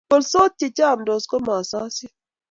bolsot che chamdos komasosio